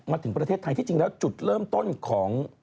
มาถึงประเทศไทยที่จริงแล้วจุดเริ่มต้นของ